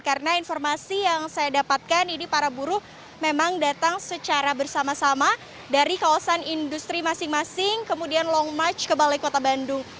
karena informasi yang saya dapatkan ini para buruh memang datang secara bersama sama dari kawasan industri masing masing kemudian long march ke balai kota bandung